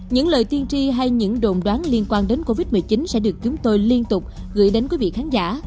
những lời tiên tri hay những đồn đoán liên quan đến covid một mươi chín sẽ được chúng tôi liên tục gửi đến quý vị khán giả